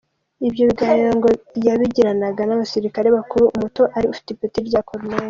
Ibyo biganiro ngo yabigiranaga n’abasirikare bakuru, umuto ari ufite ipeti rya Colonel.